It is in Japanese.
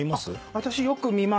私よく見ます。